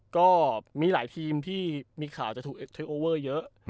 ก็มีหลายทีมที่มีข่าวจะถูกเทคโอเวอร์เยอะ